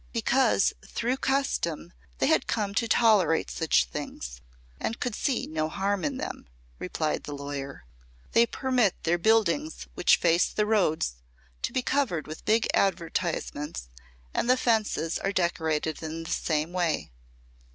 "Because through custom they had come to tolerate such things, and could see no harm in them," replied the lawyer. "They permit their buildings which face the roads to be covered with big advertisements, and the fences are decorated in the same way.